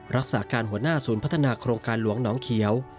รักษาการหัวหน้าศูนย์พัฒนาโครงการหลวงน้องเขียว